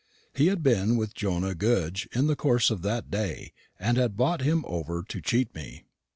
He had been with Jonah Goodge in the course of that day, and had bought him over to cheat me.